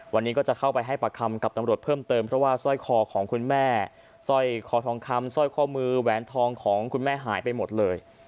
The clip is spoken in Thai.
วันนี้ก็จะเข้าไปให้ปากคำกับตำรวจเพิ่มเติมเพราะว่าสร้อยคอของคุณแม่สร้อยคอทองคำสร้อยข้อมือแหวนทองของคุณแม่หายไปหมดเลย